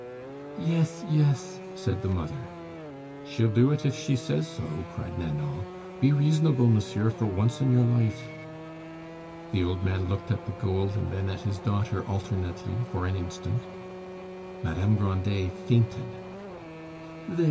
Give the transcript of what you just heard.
"Yes, yes!" said the mother. "She'll do it if she says so!" cried Nanon. "Be reasonable, monsieur, for once in your life." The old man looked at the gold and then at his daughter alternately for an instant. Madame Grandet fainted. "There!